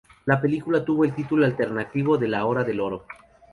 La película tuvo el título alternativo de "La hora del oro".